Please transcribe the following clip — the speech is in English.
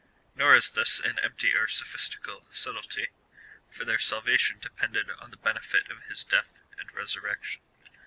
Nor is this an empty or sophistical subtilty, for their salvation depended on the benefit of his death and resurrection.